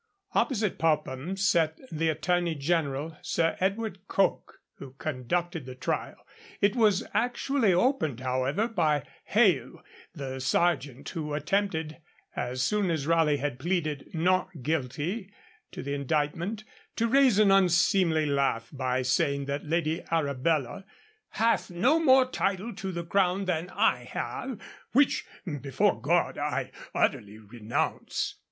Opposite Popham sat the Attorney General, Sir Edward Coke, who conducted the trial. It was actually opened, however, by Hale, the Serjeant, who attempted, as soon as Raleigh had pleaded 'not guilty' to the indictment, to raise an unseemly laugh by saying that Lady Arabella 'hath no more title to the Crown than I have, which, before God, I utterly renounce.'